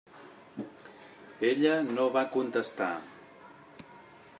Ella no va contestar.